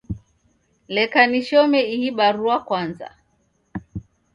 Leka nishome ihi barua kwaza